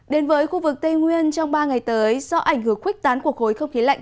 đến với khu vực tây nguyên trong ba ngày tới do ảnh hưởng khuếch tán của khối không khí lạnh